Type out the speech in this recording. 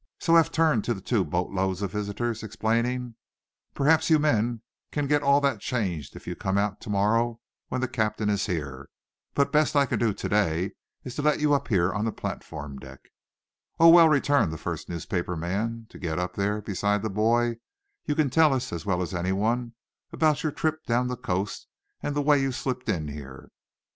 So Eph turned to the two boatloads of visitors, explaining: "Perhaps you men can get that all changed if you come out to morrow, when the captain is here. But the best I can do to day is to let you up here on the platform deck." "Oh, well," returned the first newspaper man to get up there beside the boy, "you can tell us, as well as anyone, about your trip down the coast and the way you slipped in here."